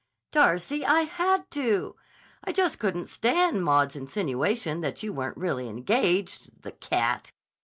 "Darcy, I had to! I just couldn't stand Maud's insinuation that you weren't really engaged—the cat!